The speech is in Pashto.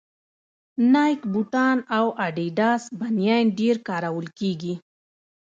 نایک بوټان او اډیډاس بنېن ډېر کارول کېږي